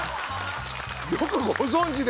よくご存じで！